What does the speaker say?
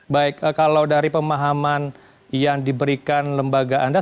baik kalau dari pemahaman yang diberikan lembaga anda